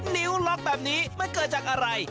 นิ้วล็อกแบบนี้มันเกิดจากอะไร